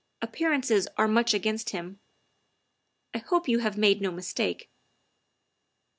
Appearances are much against him. I hope you have made no mistake.